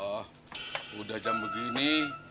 oh udah jam begini